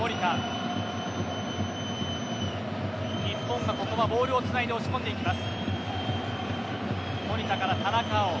日本がここはボールをつないで押し込んでいきます。